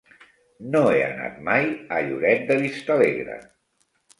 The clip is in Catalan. No he anat mai a Lloret de Vistalegre.